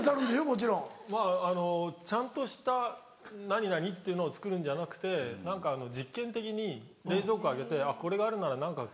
もちろん。ちゃんとした何々っていうのを作るんじゃなくて何か実験的に冷蔵庫開けてこれがあるなら何か。